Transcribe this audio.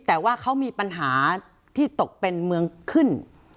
แต่ว่าเขามีปัญหาที่ตกเป็นเมืองขึ้น